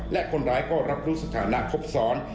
และคนร้ายก็รับรู้สถานะครบซ้อน